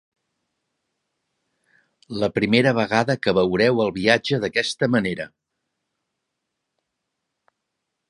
La primera vegada que veureu el viatge d'aquesta manera